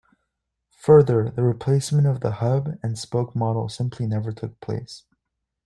Further, the replacement of the hub-and-spoke model simply never took place.